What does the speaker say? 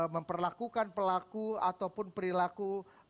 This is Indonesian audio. memperlakukan pelaku ataupun perilaku